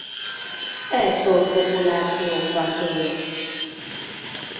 Elszórt populációkban él.